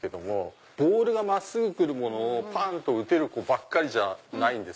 ボール真っすぐ来るものをパンと打てる子ばかりじゃない。